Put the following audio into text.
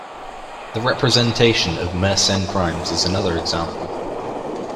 The representation of Mersenne primes is another example.